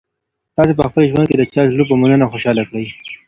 تاسي په خپل ژوند کي د چا زړه په مننه خوشاله کړی؟